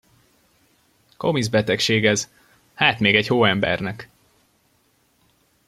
Komisz betegség ez, hát még egy hóembernek!